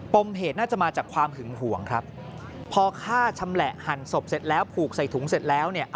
มเหตุน่าจะมาจากความหึงห่วงครับพอฆ่าชำแหละหั่นศพเสร็จแล้วผูกใส่ถุงเสร็จแล้วเนี่ย